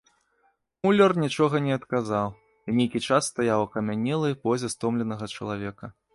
Муляр нічога не адказаў і нейкі час стаяў у акамянелай позе стомленага чалавека.